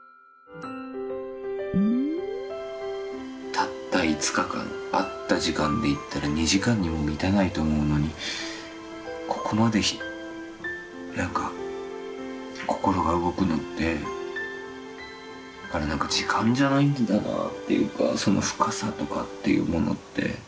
たった５日間会った時間でいったら２時間にも満たないと思うのにここまでなんか心が動くのって時間じゃないんだなぁっていうかその深さとかっていうものって。